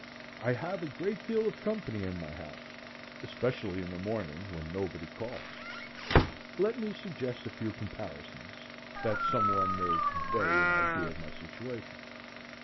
I have a great deal of company in my house; especially in the morning, when nobody calls. Let me suggest a few comparisons, that some one may convey an idea of my situation.